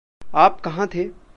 आप कहाँ थे?